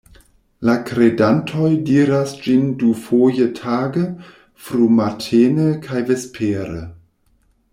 La kredantoj diras ĝin dufoje tage, frumatene kaj vespere.